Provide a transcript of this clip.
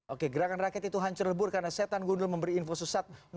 oke gerakan rakyat itu hancur lebur karena setan gundul memberi info sesat